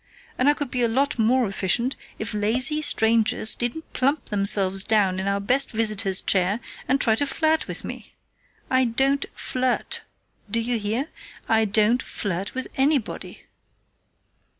And I could be a lot more efficient if lazy strangers didn't plump themselves down in our best visitors' chair, and try to flirt with me. I don't flirt! Do you hear? _I don't flirt with anybody!